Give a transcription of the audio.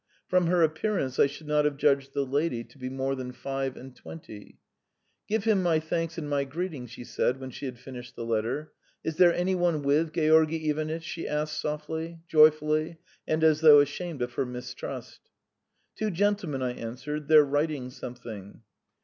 From her appearance I should not have judged the lady to be more than five and twenty. "Give him my thanks and my greetings," she said when she had finished the letter. "Is there any one with Georgy Ivanitch?" she asked softly, joyfully, and as though ashamed of her mistrust. "Two gentlemen," I answered. "They're writing something."